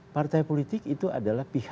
partai politik itu adalah pihak